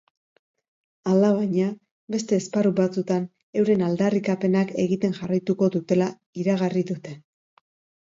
Alabaina, beste esparru batzutan euren aldarrikapenak egiten jarraituko dutela iragarri dute.